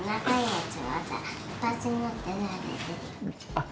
あっ